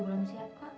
aku juga belum siap kak